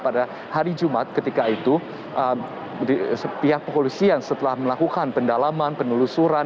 pada hari jumat ketika itu pihak kepolisian setelah melakukan pendalaman penelusuran